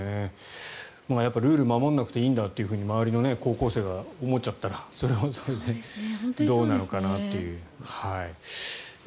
ルールを守らなくていいんだと周りの高校生が思っちゃったら、それはそれでどうなのかなという。